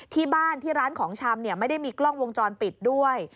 ที่บ้านที่ร้านของชำไม่ได้มีกล้องวงจรปิดด้วย